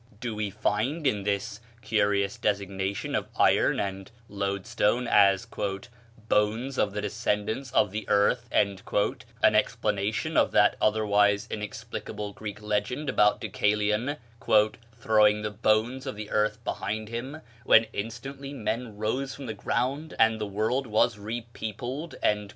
Do we find in this curious designation of iron and loadstone as "bones of the descendants of the earth," an explanation of that otherwise inexplicable Greek legend about Deucalion "throwing the bones of the earth behind him, when instantly men rose from the ground, and the world was repeopled?"